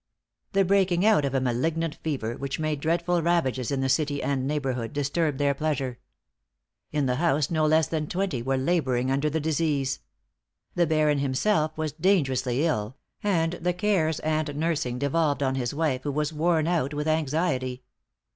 The breaking out of a malignant fever, which made dreadful ravages in the city and neighborhood, disturbed their pleasure. In the house no less than twenty were laboring under the disease. The Baron himself was dangerously ill; and the cares and nursing devolved on his wife, who was worn out with anxiety.